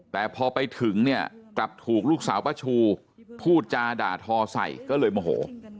แต่พอไปถึงเนี่ยกลับถูกลูกสาวป้าชูพูดจาด่าทอใส่ก็เลยโมโห